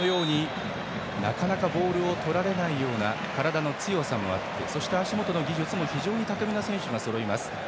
なかなかボールをとられないような体の強さもありそして足元の技術も非常に巧みな選手がそろいます。